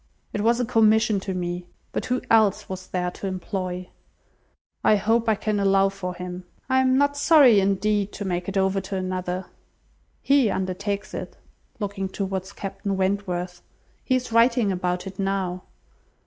It was a commission to me! But who else was there to employ? I hope I can allow for him. I am not sorry, indeed, to make it over to another. He undertakes it;" (looking towards Captain Wentworth,) "he is writing about it now."